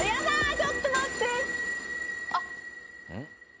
ちょっと待ってあっえっ